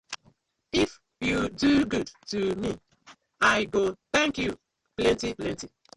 If yu do good to me, I go tank yu plenty plenty.